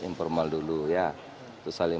informal dulu ya tersalih